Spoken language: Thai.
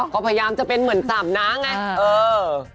ก็พยายามจะเป็นเหมือนสามน้าไงเออ